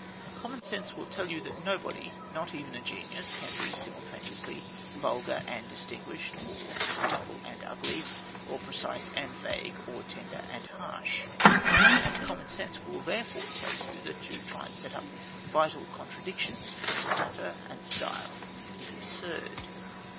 Common sense will tell you that nobody, not even a genius, can be simultaneously vulgar and distinguished, or beautiful and ugly, or precise and vague, or tender and harsh. And common sense will therefore tell you that to try to set up vital contradictions between matter and style is absurd.